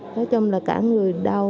nói chung là cả người đau